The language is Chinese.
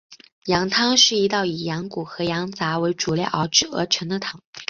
羊汤是一道以羊骨和羊杂为主料熬制而成的汤。